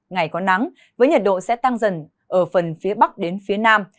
ngày có nắng với nhiệt độ sẽ tăng dần ở phần phía bắc đến phía nam